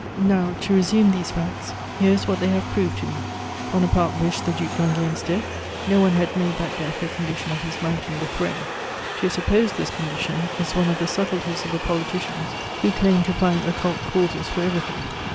] Now, to resume these facts, here is what they have proved to me: Bonaparte wished the Duc d'Enghien's death; no one had made that death a condition of his mounting the throne. To suppose this condition is one of the subtleties of the politicians who claim to find occult causes for everything.